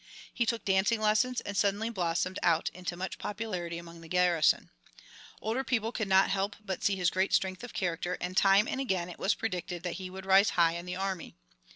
He took dancing lessons and suddenly blossomed out into much popularity among the garrison. Older people could not help but see his great strength of character, and time and again it was predicted that he would rise high in the army.